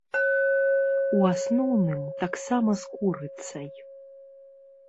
У асноўным таксама з курыцай.